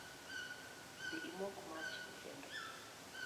Dhi imok mach e kendo